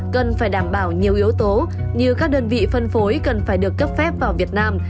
cần phải đảm bảo nhiều yếu tố như các đơn vị phân phối cần phải được cấp phép vào việt nam